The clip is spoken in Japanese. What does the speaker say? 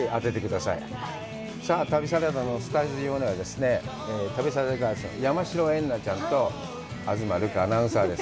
さあ、旅サラダのスタジオにはですね、旅サラダガールズの山代エンナちゃんと東留伽アナウンサーです。